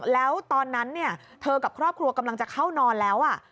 แล้วตอนนั้นเธอกับครอบครัวกำลังจะเข้านอนแล้ว